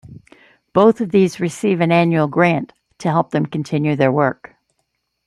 Both of these receive an annual grant to help them continue their work.